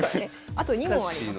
あと２問あります。